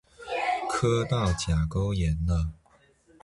磕到甲沟炎了！